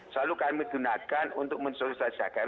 selalu kami gunakan untuk men sosialisasi